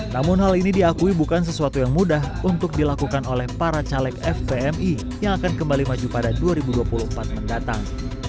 namun hal ini diakui bukan sesuatu yang mudah untuk dilakukan oleh para caleg fvmi yang akan kembali maju pada dua ribu dua puluh empat mendatang